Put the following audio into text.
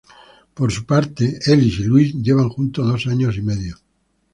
Por su parte, Eli y Luis llevan juntos dos años y medio.